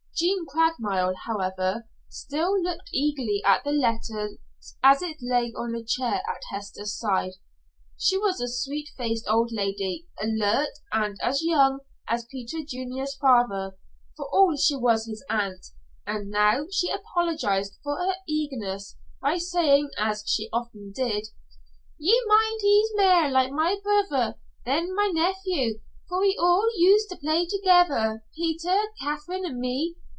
Jean Craigmile, however, still looked eagerly at the letter as it lay on a chair at Hester's side. She was a sweet faced old lady, alert, and as young as Peter Junior's father, for all she was his aunt, and now she apologized for her eagerness by saying, as she often did: "Ye mind he's mair like my brither than my nephew, for we all used to play together Peter, Katherine, and me.